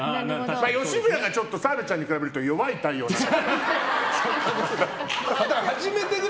吉村が澤部ちゃんに比べると弱い太陽だけど。